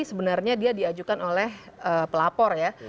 sebenarnya dia diajukan oleh pelapor ya